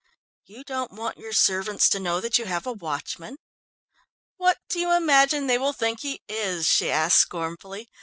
"You don't want your servants to know that you have a watchman." "What do you imagine they will think he is?" she asked scornfully.